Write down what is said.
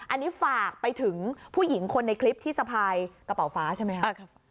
อันนี้ฝากไปถึงผู้หญิงคนในคลิปที่สะพายกระเป๋าฟ้าใช่ไหมครับ